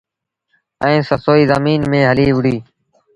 ائيٚݩ سسئيٚ زميݩ ميݩ هليٚ وُهڙيٚ۔